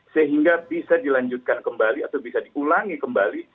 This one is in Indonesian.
sehingga bisa dilanjutkan kembali atau bisa diulangi kembali